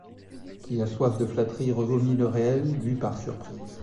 Qui a soif de flatterie revomit le réel, bu par surprise.